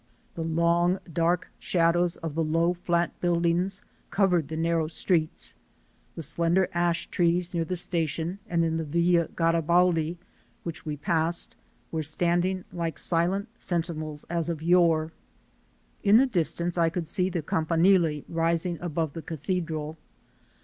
The long dark shadows of the low, flat buildings covered the narrow streets, the slender ash trees near the station and in the Villa Garibaldi, which we passed, were standing like silent sentinels as of yore. In the distance I could see the Campanile rising above the Cathedral.